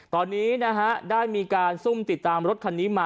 ตอนนี้นะฮะได้มีการซุ่มติดตามรถคันนี้มา